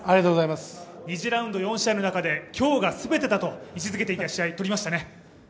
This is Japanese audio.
２次ラウンド４試合の中で今日がすべてだと位置づけていた試合、取りましたね。